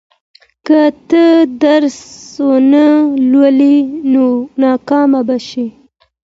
که ته درس ونه لولې، نو ناکام به شې.